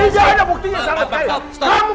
tidak ada buktinya salah sekali